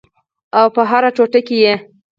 او په هره ټوټه کې یې